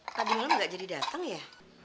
tadi malem gak jadi dateng ya